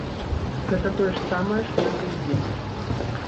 Гэта тое ж самае, што і бензін.